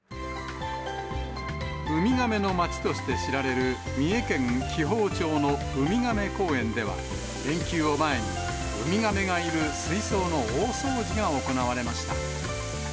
ウミガメの町として知られる三重県紀宝町のウミガメ公園では、連休を前に、ウミガメがいる水槽の大掃除が行われました。